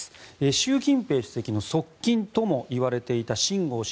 習近平主席の側近ともいわれていたシン・ゴウ氏